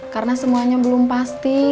karena semuanya belum pasti